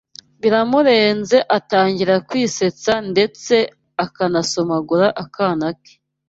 biramurenze agatangira kwisetsa ndetse akanasomagura akana ke